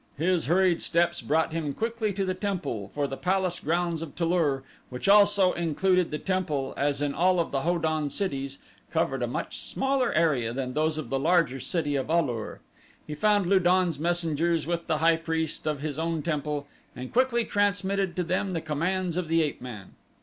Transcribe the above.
His hurried steps brought him quickly to the temple, for the palace grounds of Tu lur, which also included the temple as in all of the Ho don cities, covered a much smaller area than those of the larger city of A lur. He found Lu don's messengers with the high priest of his own temple and quickly transmitted to them the commands of the ape man.